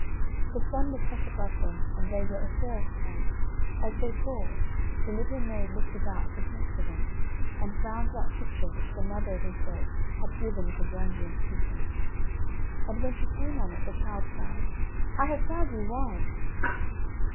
The sun was hot above them and they were athirst and, as they called, the little maid looked about for drink for them and found that pitcher which the mother of Iseult had given into Brangien's keeping. And when she came on it, the child cried, "I have found you wine!"